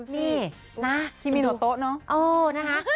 นี่ที่มีหน่วงโต๊ะนะ